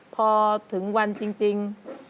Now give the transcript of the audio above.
พอถึงวันจริง